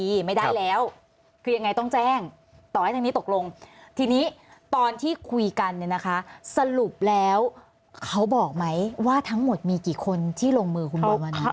ไม่ได้แล้วคือยังไงต้องแจ้งต่อให้ทางนี้ตกลงทีนี้ตอนที่คุยกันเนี่ยนะคะสรุปแล้วเขาบอกไหมว่าทั้งหมดมีกี่คนที่ลงมือคุณโบมณ